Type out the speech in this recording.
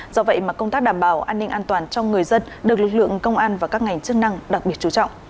do vậy mà công tác đảm bảo an ninh an toàn cho người dân được lực lượng công an và các ngành chức năng đặc biệt chú trọng